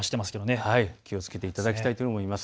気をつけていただきたいと思います。